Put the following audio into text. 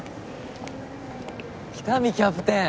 喜多見キャプテン！